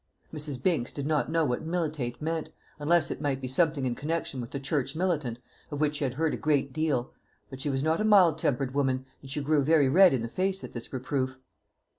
Mrs. Binks did not know what "militate" meant, unless it might be something in connection with the church militant, of which she had heard a great deal; but she was not a mild tempered woman, and she grew very red in the face at this reproof.